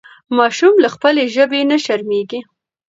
ماشوم له خپلې ژبې نه شرمېږي.